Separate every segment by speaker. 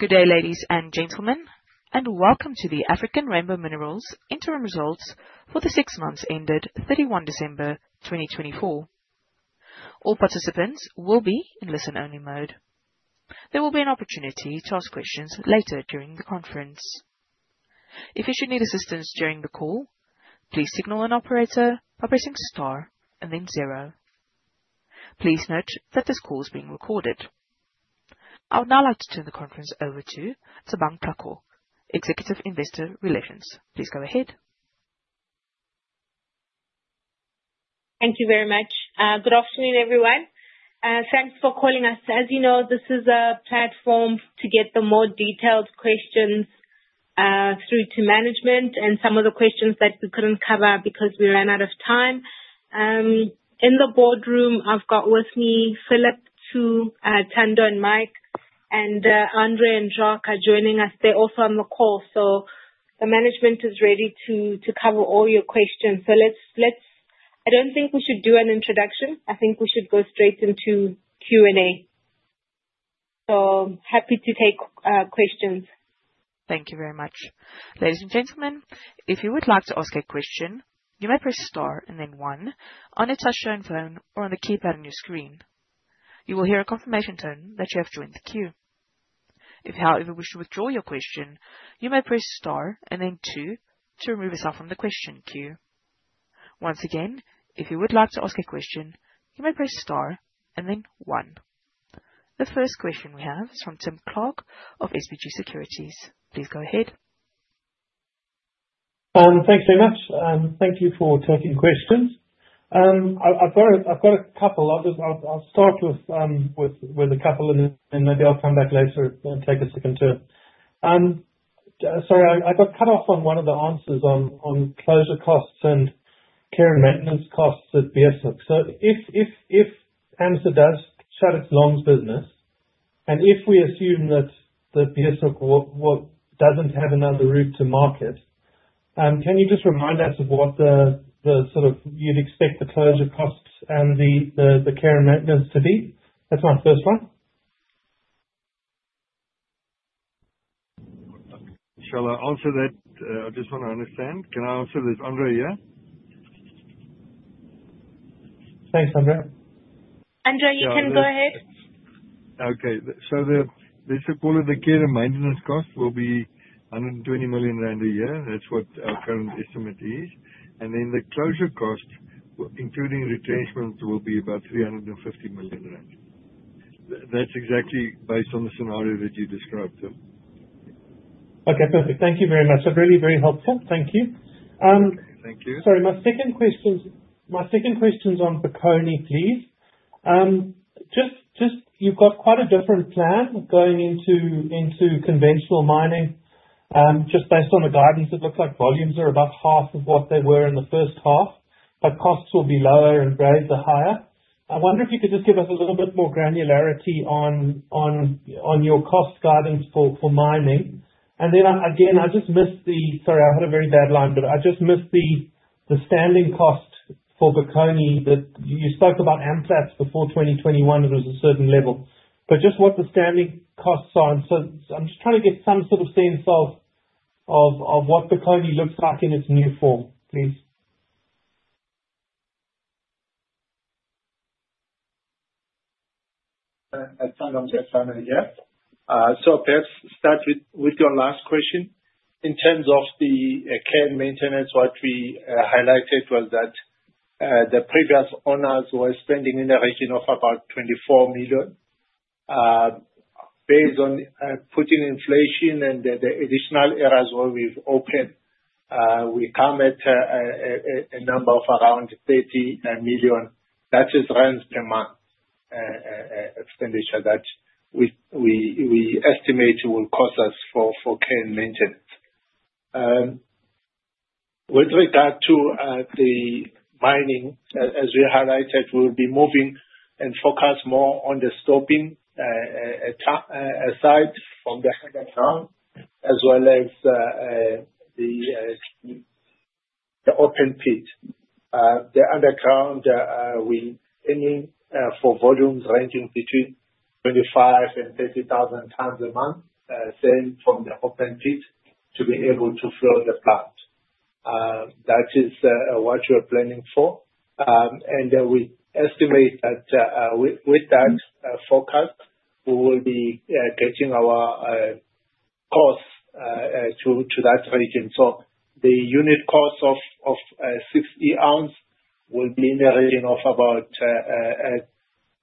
Speaker 1: Good day, ladies and gentlemen, and welcome to the African Rainbow Minerals Interim Results for the six months ended 31 December 2024. All participants will be in listen-only mode. There will be an opportunity to ask questions later during the conference. If you should need assistance during the call, please signal an operator by pressing star and then zero. Please note that this call is being recorded. I would now like to turn the conference over to Thabang Thlaku, Executive Investor Relations. Please go ahead.
Speaker 2: Thank you very much. Good afternoon, everyone. Thanks for calling us. As you know, this is a platform to get the more detailed questions through to management and some of the questions that we could not cover because we ran out of time. In the boardroom, I have got with me Phillip, Tsu, Thando Mkatshana, Mike, and André Joubert are joining us. They are also on the call, so the management is ready to cover all your questions. I do not think we should do an introduction. I think we should go straight into Q&A. Happy to take questions.
Speaker 1: Thank you very much. Ladies and gentlemen, if you would like to ask a question, you may press star and then one on a touchscreen phone or on the keypad on your screen. You will hear a confirmation tone that you have joined the queue. If, however, you wish to withdraw your question, you may press star and then two to remove yourself from the question queue. Once again, if you would like to ask a question, you may press star and then one. The first question we have is from Tim Clark of SBG Securities. Please go ahead.
Speaker 3: Thanks very much. Thank you for taking questions. I've got a couple. I'll start with a couple, and then maybe I'll come back later and take a second too. Sorry, I got cut off on one of the answers on closure costs and care and maintenance costs at Beeshoek. If Assmang does shut its longs business, and if we assume that Beeshoek doesn't have another route to market, can you just remind us of what the sort of you'd expect the closure costs and the care and maintenance to be? That's my first one.
Speaker 4: Shall I answer that? I just want to understand. Can I answer this? André here?
Speaker 3: Thanks, André.
Speaker 2: André, you can go ahead.
Speaker 4: Okay. They said the care and maintenance cost will be 120 million rand a year. That's what our current estimate is. The closure cost, including retention, will be about 350 million rand. That's exactly based on the scenario that you described.
Speaker 3: Okay, perfect. Thank you very much. That's really, really helpful. Thank you.
Speaker 4: Thank you.
Speaker 3: Sorry, my second question is on Bokoni, please. You've got quite a different plan going into conventional mining. Just based on the guidance, it looks like volumes are about half of what they were in the first half, but costs will be lower and grades are higher. I wonder if you could just give us a little bit more granularity on your cost guidance for mining. I just missed the—sorry, I had a very bad line, but I just missed the standing cost for Bokoni. You spoke about Amplats before 2021. It was a certain level. Just what the standing costs are. I am just trying to get some sort of sense of what Bokoni looks like in its new form, please.
Speaker 5: Yeah. Perhaps start with your last question. In terms of the care and maintenance, what we highlighted was that the previous owners were spending in the region of about 24 million. Based on putting inflation and the additional areas where we've opened, we come at a number of around 30 million. That is Rand per month expenditure that we estimate will cost us for care and maintenance. With regard to the mining, as we highlighted, we'll be moving and focus more on the stoping aside from the underground, as well as the open pit. The underground will be aiming for volumes ranging between 25,000 and 30,000 a month, same from the open pit to be able to fill the plant. That is what we're planning for. We estimate that with that focus, we will be getting our costs to that region. The unit cost of 6E-oz will be in the region of about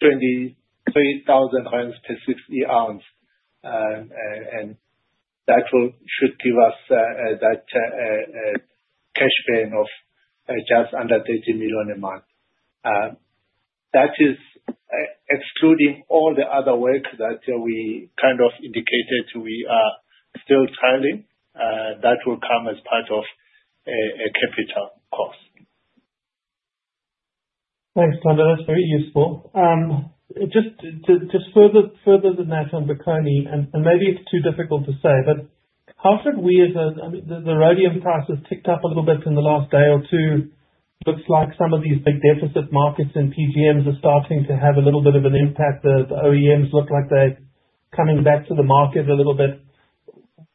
Speaker 5: 23,000 rand per 6E-oz. That should give us that cash paying of just under 30 million a month. That is excluding all the other work that we kind of indicated we are still trailing. That will come as part of a capital cost.
Speaker 3: Thanks, Thando. That's very useful. Just further than that on Bokoni, and maybe it's too difficult to say, but how should we as a—I mean, the rhodium price has ticked up a little bit in the last day or two. Looks like some of these big deficit markets in PGMs are starting to have a little bit of an impact. The OEMs look like they're coming back to the market a little bit.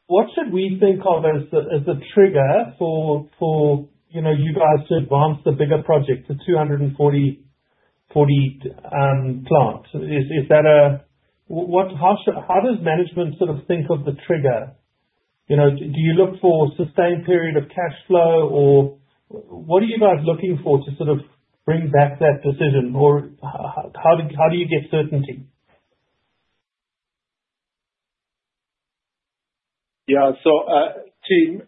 Speaker 3: What should we think of as the trigger for you guys to advance the bigger project, the 240-plant? How does management sort of think of the trigger? Do you look for a sustained period of cash flow, or what are you guys looking for to sort of bring back that decision? Or how do you get certainty?
Speaker 5: Yeah. Tim,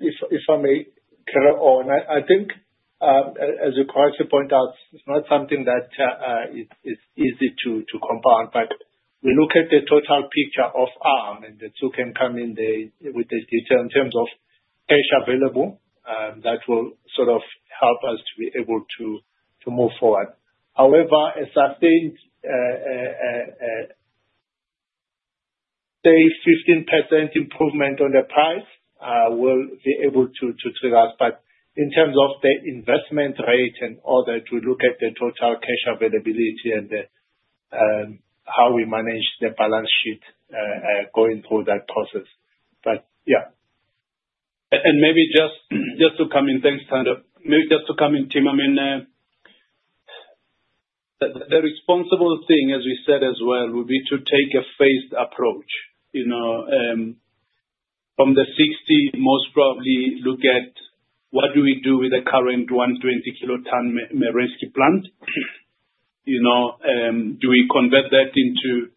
Speaker 5: if I may cut you on, I think, as you're quite right to point out, it's not something that is easy to compound. We look at the total picture of ARM, and the two can come in with the detail in terms of cash available. That will sort of help us to be able to move forward. However, a sustained, say, 15% improvement on the price will be able to trigger us. In terms of the investment rate and all that, we look at the total cash availability and how we manage the balance sheet going through that process. Yeah.
Speaker 6: Maybe just to come in—thanks, Thando. Maybe just to come in, Tim. I mean, the responsible thing, as we said as well, would be to take a phased approach. From the 60, most probably look at what do we do with the current 120-kiloton Merensky plant? Do we convert that into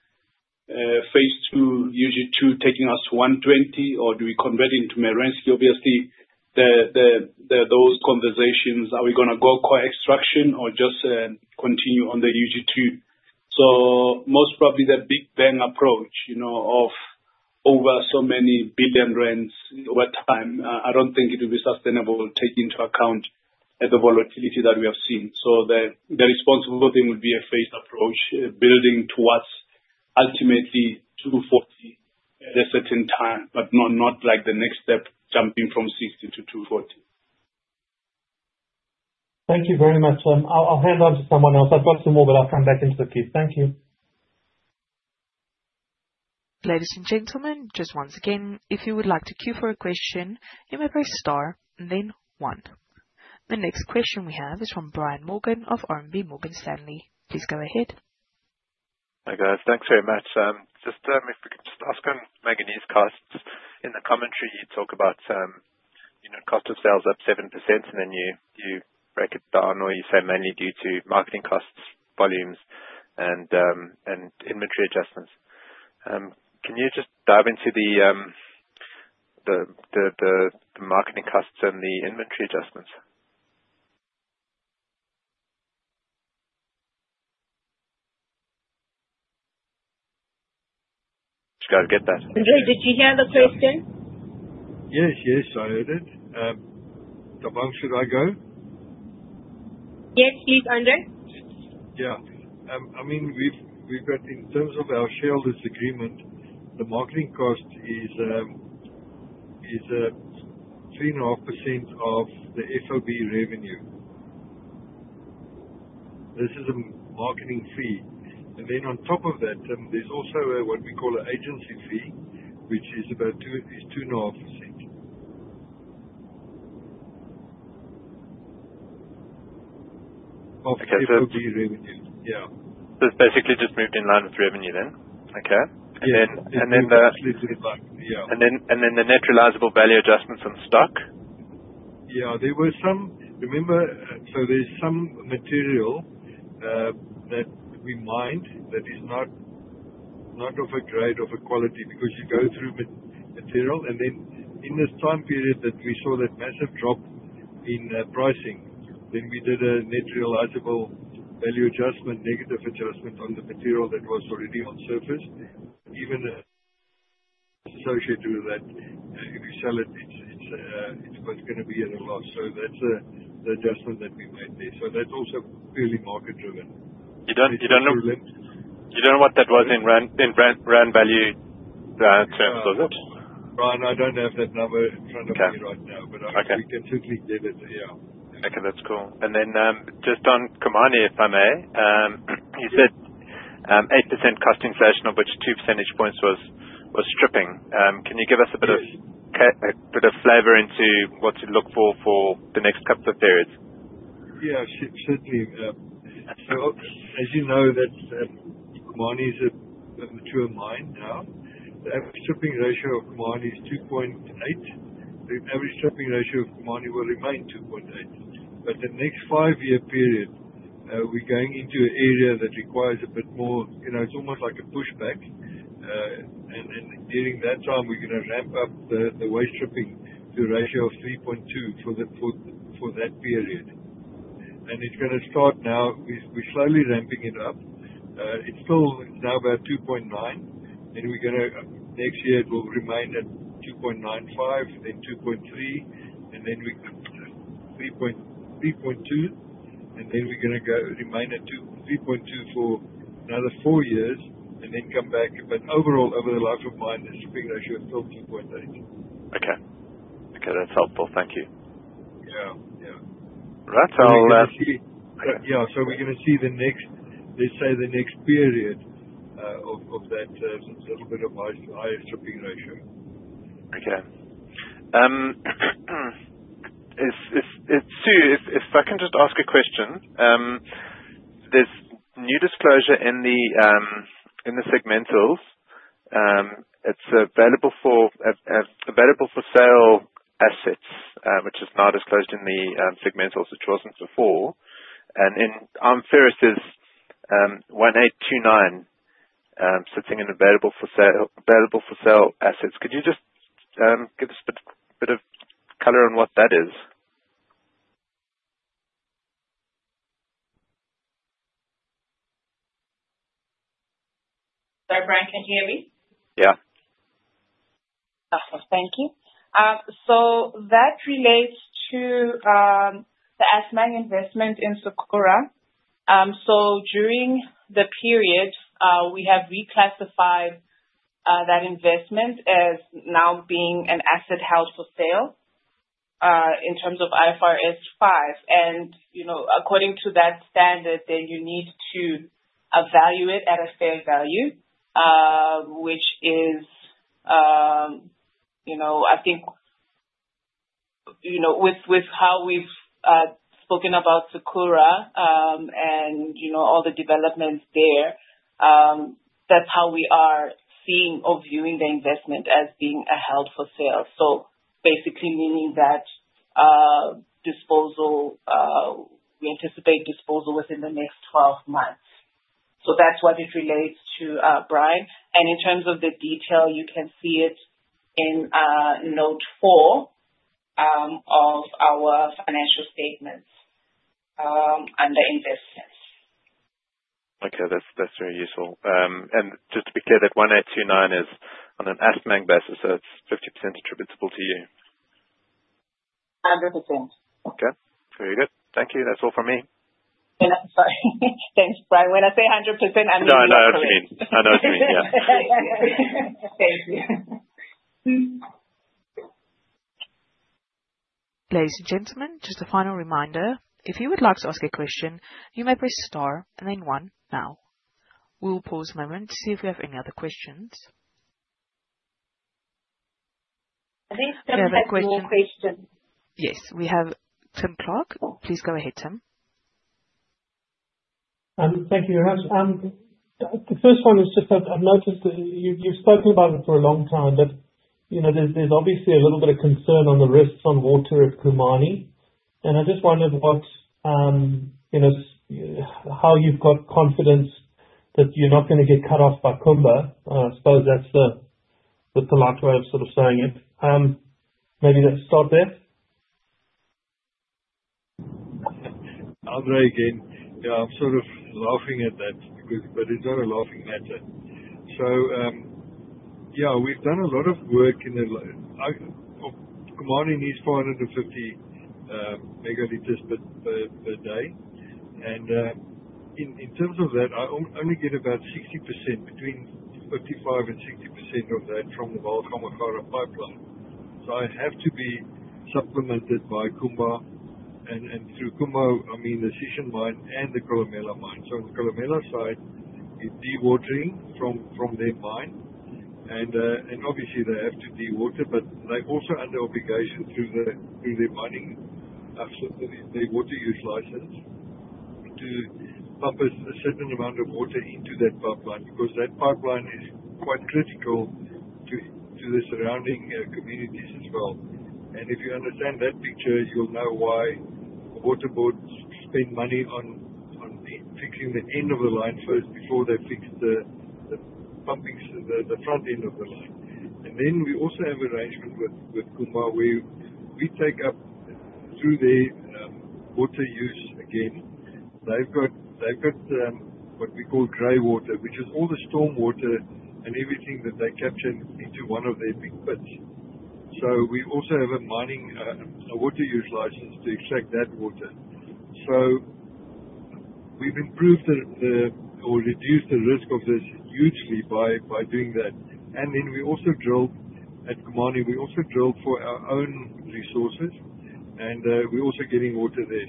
Speaker 6: phase two, UG2, taking us 120, or do we convert into Merensky? Obviously, those conversations, are we going to go co-extraction or just continue on the UG2? Most probably the big bang approach of over so many billion ZAR over time, I don't think it would be sustainable taking into account the volatility that we have seen. The responsible thing would be a phased approach, building towards ultimately 240 at a certain time, but not the next step, jumping from 60 to 240.
Speaker 3: Thank you very much. I'll hand on to someone else. I've got some more, but I'll come back into the queue. Thank you.
Speaker 1: Ladies and gentlemen, just once again, if you would like to queue for a question, you may press star and then one. The next question we have is from Brian Morgan of RMB Morgan Stanley. Please go ahead.
Speaker 7: Hi guys. Thanks very much. Just if we could just ask on manganese costs. In the commentary, you talk about cost of sales up 7%, and then you break it down, or you say mainly due to marketing costs, volumes, and inventory adjustments. Can you just dive into the marketing costs and the inventory adjustments? Just got to get that.
Speaker 2: André, did you hear the question?
Speaker 4: Yes, yes. I heard it. Thabang, should I go?
Speaker 2: Yes, please, André.
Speaker 4: Yeah. I mean, we've got in terms of our shareholders' agreement, the marketing cost is 3.5% of the FOB revenue. This is a marketing fee. Then on top of that, there's also what we call an agency fee, which is about 2.5% of the FOB revenue.
Speaker 7: Okay. It is basically just moved in line with revenue then? Okay. And then the.
Speaker 4: Yeah.
Speaker 7: The net realisable value adjustments on stock?
Speaker 4: Yeah. There were some. Remember, so there's some material that we mined that is not of a grade of a quality because you go through material. In this time period that we saw that massive drop in pricing, we did a net realisable value adjustment, negative adjustment on the material that was already on surface. Even associated with that, if you sell it, it's going to be at a loss. That is the adjustment that we made there. That is also purely market-driven.
Speaker 7: You don't know what that was in rent value terms, was it?
Speaker 4: Brian, I don't have that number in front of me right now, but we can certainly get it. Yeah.
Speaker 7: Okay. That's cool. Just on Khumani, if I may, you said 8% cost inflation, of which 2 percentage points was stripping. Can you give us a bit of flavor into what to look for for the next couple of periods?
Speaker 4: Yeah, certainly. As you know, Khumani is a mature mine now. The average stripping ratio of Khumani is 2.8. The average stripping ratio of Khumani will remain 2.8. For the next five-year period, we are going into an area that requires a bit more. It is almost like a pushback. During that time, we are going to ramp up the waste stripping to a ratio of 3.2 for that period. It is going to start now. We are slowly ramping it up. It is still now about 2.9. Next year, it will remain at 2.95, then 2.3, and then we could 3.2. We are going to remain at 3.2 for another four years and then come back. Overall, over the life of mine, the stripping ratio is still 2.8.
Speaker 7: Okay. Okay. That's helpful. Thank you.
Speaker 4: Yeah. Yeah.
Speaker 7: That's all.
Speaker 4: We're going to see, yeah, we're going to see the next, let's say, the next period of that little bit of higher stripping ratio.
Speaker 7: Okay. Stew, if I can just ask a question. There is new disclosure in the segmentals. It is available for sale assets, which is now disclosed in the segmentals, which was not before. And in ARM Ferrous's 1829, something available for sale assets. Could you just give us a bit of color on what that is?
Speaker 2: Sorry, Brian. Can you hear me?
Speaker 7: Yeah.
Speaker 2: Awesome. Thank you. That relates to the Assmang investment in Sakura. During the period, we have reclassified that investment as now being an asset held for sale in terms of IFRS 5. According to that standard, you need to evaluate at a fair value, which is, I think, with how we've spoken about Sakura and all the developments there, that's how we are seeing or viewing the investment as being held for sale. Basically meaning that we anticipate disposal within the next 12 months. That is what it relates to, Brian. In terms of the detail, you can see it in note 4 of our financial statements under investments.
Speaker 7: Okay. That's very useful. Just to be clear, that 1,829 is on an Assmang basis, so it's 50% attributable to you?
Speaker 2: 100%.
Speaker 7: Okay. Very good. Thank you. That's all from me.
Speaker 2: Sorry. Thanks, Brian. When I say 100%, I mean 100%.
Speaker 7: No, no. I know what you mean. I know what you mean. Yeah.
Speaker 2: Thank you.
Speaker 1: Ladies and gentlemen, just a final reminder. If you would like to ask a question, you may press star and then one now. We'll pause a moment to see if we have any other questions.
Speaker 2: I think Tim has one more question.
Speaker 1: Yes. We have Tim Clark. Please go ahead, Tim.
Speaker 3: Thank you very much. The first one is just that I've noticed that you've spoken about it for a long time, but there's obviously a little bit of concern on the risks on water at Khumani. I just wondered how you've got confidence that you're not going to get cut off by Kumba. I suppose that's the polite way of sort of saying it. Maybe let's start there.
Speaker 4: I'll try again. Yeah. I'm sort of laughing at that, but it's not a laughing matter. Yeah, we've done a lot of work in the Khumani needs 450 megaliters per day. In terms of that, I only get about 60%, between 55% and 60% of that from the Vaal Gamagara pipeline. I have to be supplemented by Kumba. Through Kumba, I mean the Sishen mine and the Kolomela mine. On the Kolomela side, it's dewatering from their mine. Obviously, they have to dewater, but they are also under obligation through their mining office, their water use license, to pump a certain amount of water into that pipeline because that pipeline is quite critical to the surrounding communities as well. If you understand that picture, you'll know why the water boards spend money on fixing the end of the line first before they fix the front end of the line. We also have an arrangement with Kumba where we take up through their water use again. They've got what we call gray water, which is all the stormwater and everything that they capture into one of their big pits. We also have a water use license to extract that water. We have improved or reduced the risk of this hugely by doing that. We also drilled at Khumani. We also drilled for our own resources, and we're also getting water there.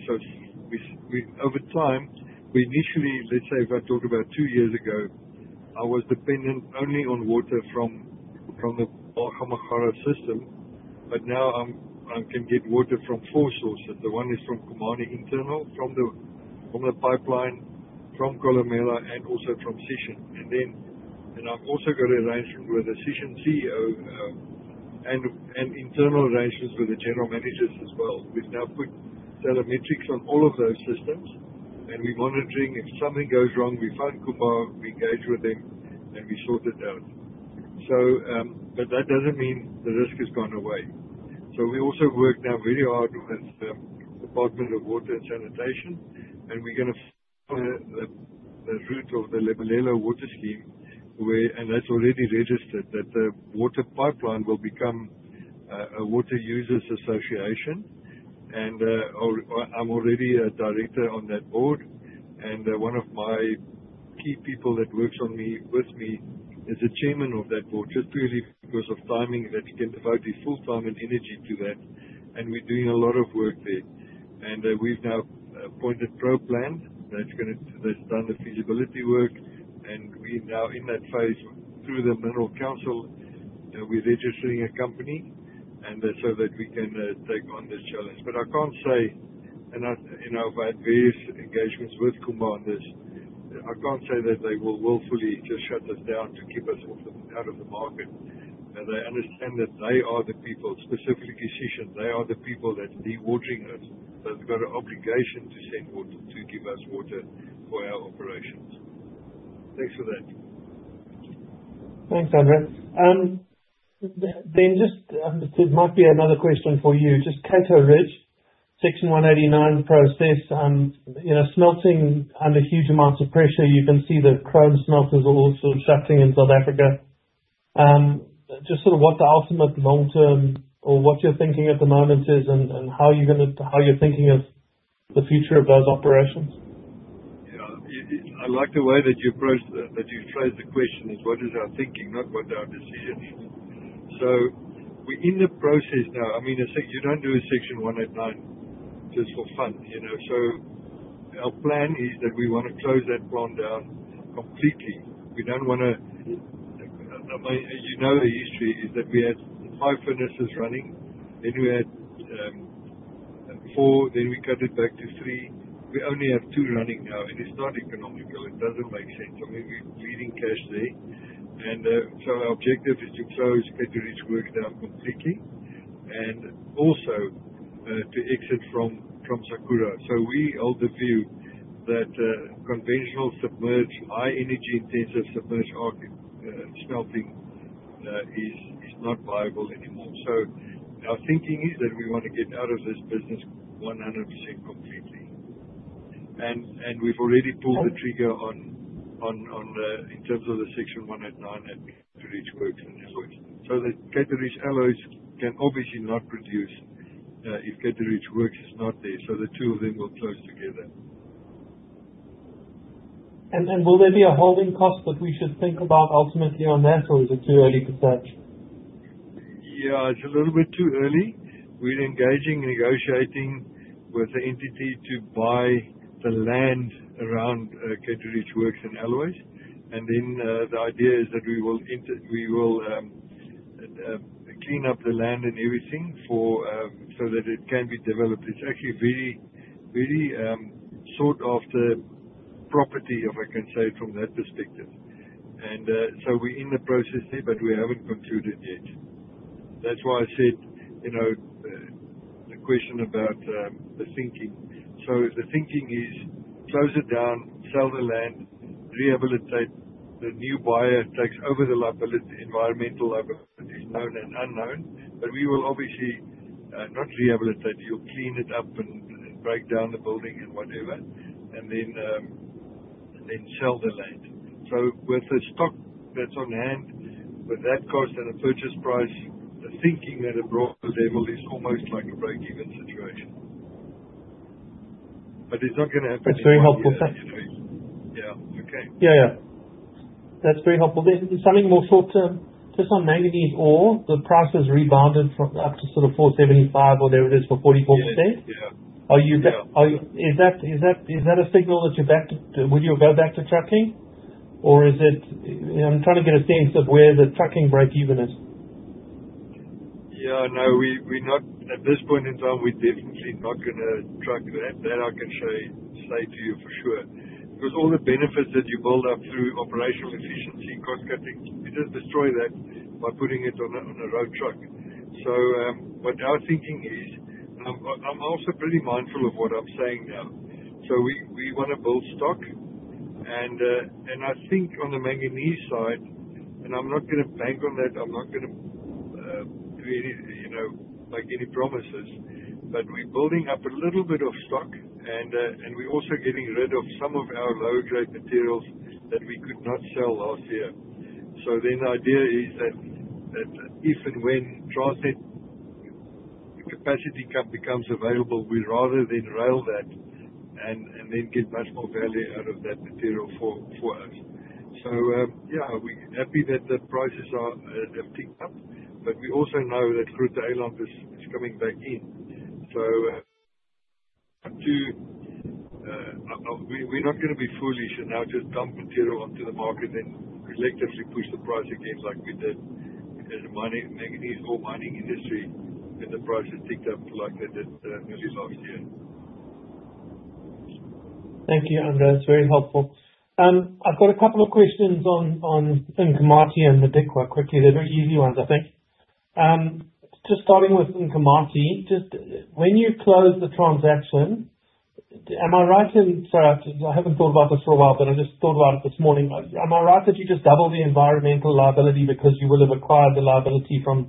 Speaker 4: Over time, we initially, let's say, if I talk about two years ago, I was dependent only on water from the Vaal Gamagara system, but now I can get water from four sources. The one is from Kumba internal, from the pipeline, from Kolomela, and also from Sishen. I have also got an arrangement with the Sishen CEO and internal arrangements with the general managers as well. We have now put telemetrics on all of those systems, and we are monitoring. If something goes wrong, we find Kumba, we engage with them, and we sort it out. That does not mean the risk has gone away. We also work now very hard with the Department of Water and Sanitation, and we are going to follow the route of the Lebalelo Water Scheme, and that is already registered that the water pipeline will become a Water Users Association. I'm already a director on that board, and one of my key people that works with me is the chairman of that board, just purely because of timing that you can devote your full time and energy to that. We're doing a lot of work there. We've now appointed Pro-Plan. That's done the feasibility work, and we're now in that phase through the Minerals Council. We're registering a company so that we can take on this challenge. I can't say, and I've had various engagements with Kumba on this, I can't say that they will willfully just shut us down to keep us out of the market. They understand that they are the people, specifically Sishen. They are the people that's dewatering us. They've got an obligation to give us water for our operations. Thanks for that.
Speaker 3: Thanks, André. There might be another question for you. Just Cato Ridge, Section 189 process, smelting under huge amounts of pressure. You can see the chrome smelters are all sort of shutting in South Africa. Just sort of what the ultimate long-term or what you're thinking at the moment is and how you're thinking of the future of those operations?
Speaker 4: Yeah. I like the way that you phrased the question as, "What is our thinking?" not, "What are our decisions?" We are in the process now. I mean, you do not do a Section 189 just for fun. Our plan is that we want to close that plant down completely. We do not want to—you know the history is that we had five furnaces running, then we had four, then we cut it back to three. We only have two running now, and it is not economical. It does not make sense. I mean, we are bleeding cash there. Our objective is to close Cato Ridge Works down completely and also to exit from Sakura. We hold the view that conventional submerged, high-energy intensive submerged smelting is not viable anymore. Our thinking is that we want to get out of this business 100% completely. We have already pulled the trigger in terms of the Section 189 at Cato Ridge Works and Alloys. Cato Ridge Alloys can obviously not produce if Cato Ridge Works is not there. The two of them will close together.
Speaker 3: Will there be a holding cost that we should think about ultimately on that, or is it too early to judge?
Speaker 4: Yeah. It's a little bit too early. We're engaging, negotiating with the entity to buy the land around Cato Ridge Works and Alloys. The idea is that we will clean up the land and everything so that it can be developed. It's actually very sought-after property, if I can say, from that perspective. We're in the process there, but we haven't concluded yet. That's why I said the question about the thinking. The thinking is, close it down, sell the land, rehabilitate, the new buyer takes over the environmental liabilities, known and unknown. We will obviously not rehabilitate it. You'll clean it up and break down the building and whatever, and then sell the land. With the stock that's on hand, with that cost and the purchase price, the thinking at a broader level is almost like a break-even situation. It is not going to happen in the near future.
Speaker 3: That's very helpful.
Speaker 4: Yeah. Okay.
Speaker 3: Yeah. Yeah. That's very helpful. Something more short-term, just on manganese ore, the price has rebounded up to sort of $475 or there it is for 44%.
Speaker 4: Yeah. Yeah.
Speaker 3: Is that a signal that you're going back to trucking, or is it? I'm trying to get a sense of where the trucking break-even is.
Speaker 4: Yeah. No. At this point in time, we're definitely not going to truck that. That I can say to you for sure. Because all the benefits that you build up through operational efficiency, cost-cutting, you just destroy that by putting it on a road truck. What our thinking is, I'm also pretty mindful of what I'm saying now. We want to build stock. I think on the manganese side, and I'm not going to bank on that. I'm not going to make any promises. We're building up a little bit of stock, and we're also getting rid of some of our lower-grade materials that we could not sell last year. The idea is that if and when Transnet capacity becomes available, we'd rather then rail that and then get much more value out of that material for us. Yeah, we're happy that the prices have ticked up, but we also know that crude oil is coming back in. We're not going to be foolish and now just dump material onto the market and collectively push the price again like we did in the manganese ore mining industry when the prices ticked up like they did early last year.
Speaker 3: Thank you, André. That's very helpful. I've got a couple of questions on Nkomati and the Modikwa quickly. They're very easy ones, I think. Just starting with Nkomati, when you close the transaction, am I right—sorry, I haven't thought about this for a while, but I just thought about it this morning—am I right that you just double the environmental liability because you will have acquired the liability from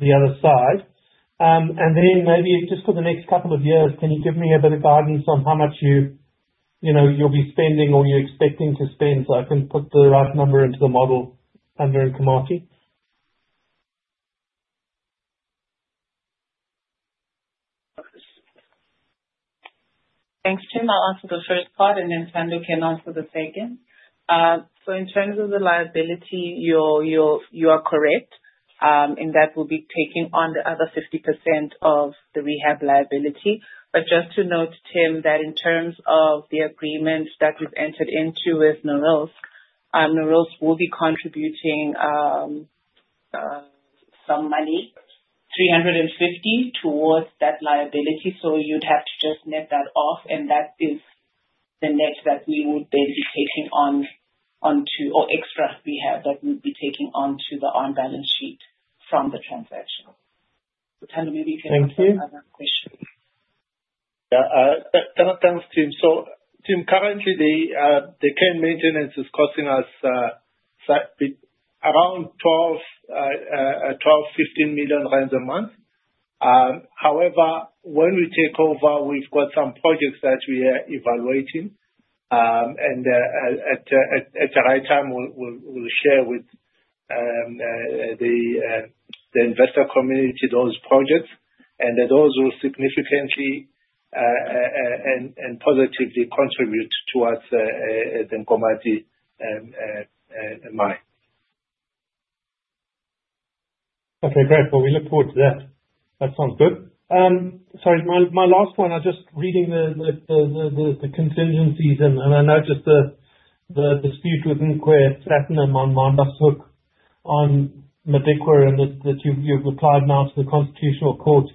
Speaker 3: the other side? Maybe just for the next couple of years, can you give me a bit of guidance on how much you'll be spending or you're expecting to spend so I can put the right number into the model under Nkomati?
Speaker 2: Thanks, Tim. I'll answer the first part, and then Thando can answer the second. In terms of the liability, you are correct, and that will be taking on the other 50% of the rehab liability. Just to note, Tim, that in terms of the agreement that we've entered into with Norilsk, Norilsk will be contributing some money, 350,000, towards that liability. You'd have to just net that off, and that is the net that we would then be taking onto or extra rehab that we'd be taking onto the ARM balance sheet from the transaction. Thando, maybe you can answer that other question.
Speaker 5: Thank you. Yeah. Thanks, Tim. Tim, currently, the current maintenance is costing us around 12 million-15 million rand a month. However, when we take over, we've got some projects that we are evaluating. At the right time, we'll share with the investor community those projects. Those will significantly and positively contribute towards the Nkomati mine. Okay. Great. We look forward to that. That sounds good. Sorry, my last one. I'm just reading the contingencies, and I know just the dispute with Modikwa Platinum Mine Maandagshoek on Modikwa, and that you've applied now to the Constitutional Court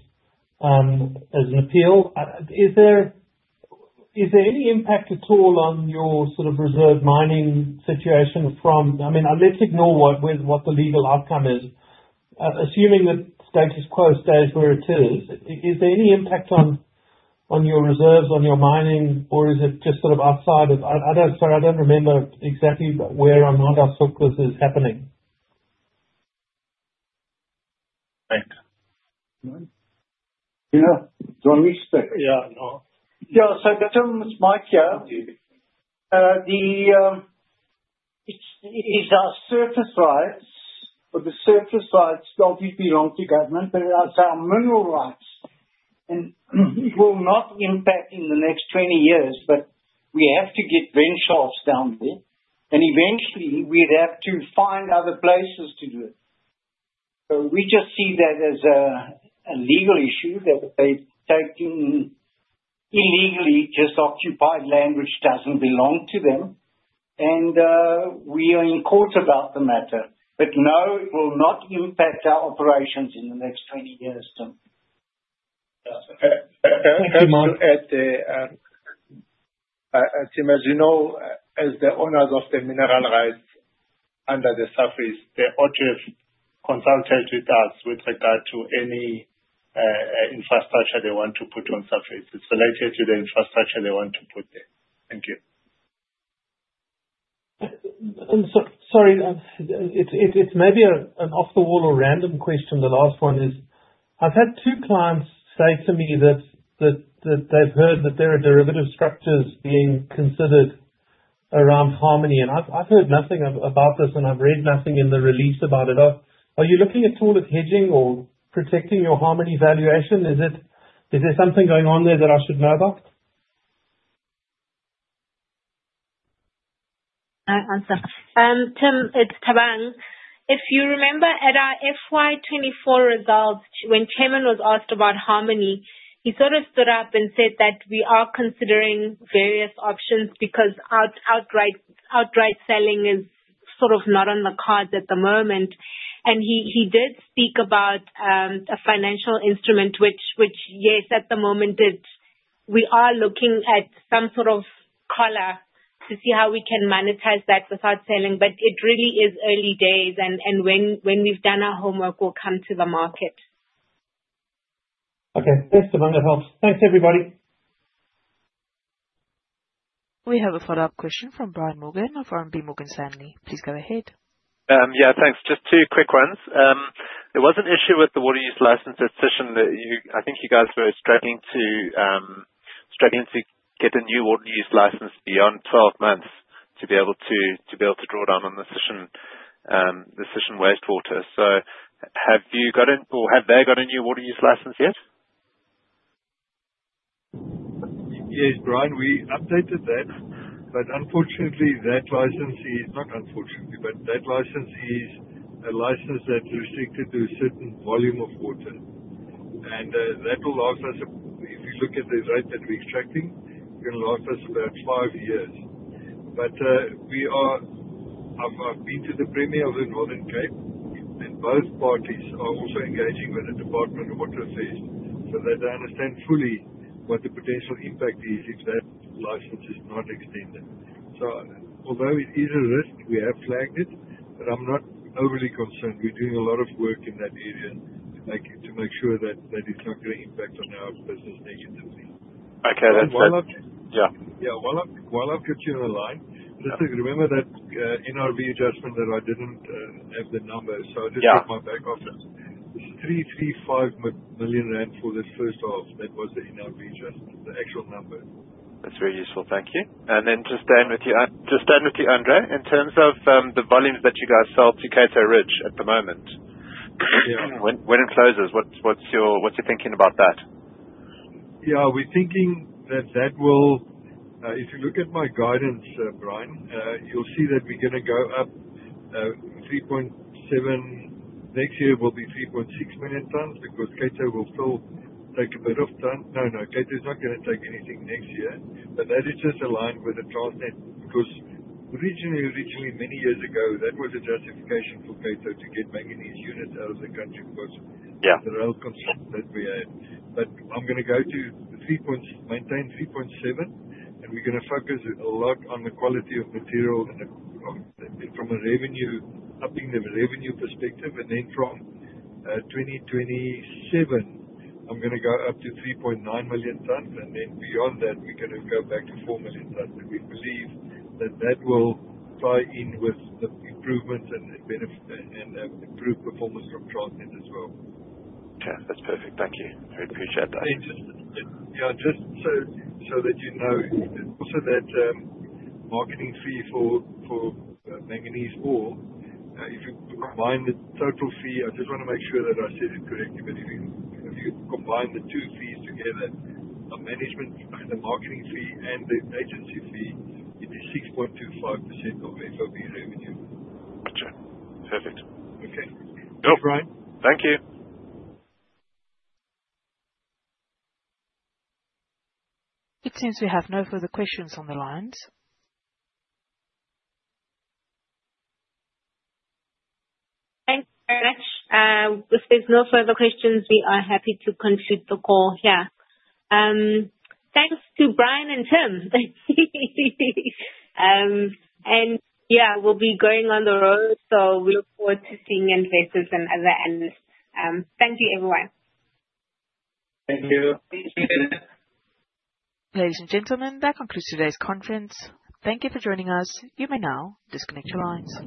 Speaker 5: as an appeal. Is there any impact at all on your sort of reserve mining situation from—I mean, let's ignore what the legal outcome is. Assuming that status quo stays where it is, is there any impact on your reserves, on your mining, or is it just sort of outside of—I do not remember exactly where on Maandagshoek this is happening.
Speaker 4: Thanks.
Speaker 3: Yeah. Did I miss?
Speaker 4: Yeah. No.
Speaker 8: Yeah. I've got to ask Mike. It's our surface rights, but the surface rights obviously belong to government. It's our mineral rights. It will not impact in the next 20 years. We have to get vent shafts down there. Eventually, we'd have to find other places to do it. We just see that as a legal issue that they've taken—illegally just occupied land which doesn't belong to them. We are in court about the matter. No, it will not impact our operations in the next 20 years, Tim.
Speaker 4: Thank you, Matt. As you know, as the owners of the mineral rights under the surface, they ought to have consulted with us with regard to any infrastructure they want to put on surface. It is related to the infrastructure they want to put there. Thank you.
Speaker 3: Sorry. It's maybe an off-the-wall or random question. The last one is, I've had two clients say to me that they've heard that there are derivative structures being considered around Harmony. And I've heard nothing about this, and I've read nothing in the release about it. Are you looking at all at hedging or protecting your Harmony valuation? Is there something going on there that I should know about?
Speaker 2: I'll answer. Tim, it's Thabang. If you remember, at our FY2024 results, when Chairman was asked about Harmony, he sort of stood up and said that we are considering various options because outright selling is sort of not on the cards at the moment. He did speak about a financial instrument which, yes, at the moment, we are looking at some sort of collar to see how we can monetize that without selling. It really is early days. When we've done our homework, we'll come to the market.
Speaker 3: Okay. Thanks, Thabang. That helps. Thanks, everybody.
Speaker 1: We have a follow-up question from Brian Morgan of RMB Morgan Stanley. Please go ahead.
Speaker 7: Yeah. Thanks. Just two quick ones. There was an issue with the water use license decision that I think you guys were struggling to get a new water use license beyond 12 months to be able to draw down on the Sishen wastewater. Have you gotten or have they got a new water use license yet?
Speaker 4: Yes, Brian. We updated that. Unfortunately, that license is a license that's restricted to a certain volume of water. That will last us, if you look at the rate that we're extracting, about five years. I have been to the Premier of the Northern Cape, and both parties are also engaging with the Department of Water Affairs so that they understand fully what the potential impact is if that license is not extended. Although it is a risk, we have flagged it, but I'm not overly concerned. We're doing a lot of work in that area to make sure that it's not going to impact on our business negatively.
Speaker 7: Okay. That's fine.
Speaker 4: Yeah. While I've got you on the line, remember that NRV adjustment that I didn't have the number. I just got my back office. It's 3.35 million rand for the first half. That was the NRV adjustment, the actual number.
Speaker 7: That's very useful. Thank you. Just staying with you, just staying with you, André. In terms of the volumes that you guys sell to Cato Ridge at the moment, when it closes, what's your thinking about that?
Speaker 4: Yeah. We're thinking that that will, if you look at my guidance, Brian, you'll see that we're going to go up 3.7. Next year, it will be 3.6 million tons because Cato will still take a bit of, no, no. Cato is not going to take anything next year. That is just aligned with the Transnet because originally, many years ago, that was a justification for Cato to get manganese units out of the country because of the rail construction that we had. I'm going to go to maintain 3.7, and we're going to focus a lot on the quality of material from a revenue perspective. From 2027, I'm going to go up to 3.9 million tons. Beyond that, we're going to go back to 4 million tons. We believe that that will tie in with the improvements and improve performance from Transnet as well.
Speaker 7: Okay. That's perfect. Thank you. I really appreciate that.
Speaker 4: Yeah. Just so that you know, also that marketing fee for manganese ore, if you combine the total fee I just want to make sure that I said it correctly. If you combine the two fees together, the management and the marketing fee and the agency fee, it is 6.25% of FOB revenue.
Speaker 7: Gotcha. Perfect.
Speaker 4: Okay. Thank you.
Speaker 7: Thank you.
Speaker 1: It seems we have no further questions on the lines.
Speaker 2: Thank you very much. If there's no further questions, we are happy to conclude the call here. Thanks to Brian and Tim. Yeah, we'll be going on the road, so we look forward to seeing investors and other analysts. Thank you, everyone.
Speaker 4: Thank you.
Speaker 1: Ladies and gentlemen, that concludes today's conference. Thank you for joining us. You may now disconnect your lines.